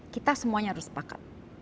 kita semuanya harus sepakat